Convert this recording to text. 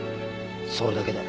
それだけだ。